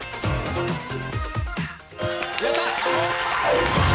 やった！